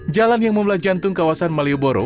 jalan yang membelah jantung kawasan malioboro